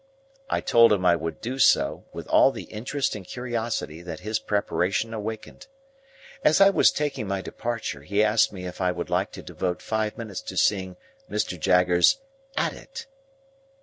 I told him I would do so, with all the interest and curiosity that his preparation awakened. As I was taking my departure, he asked me if I would like to devote five minutes to seeing Mr. Jaggers "at it?"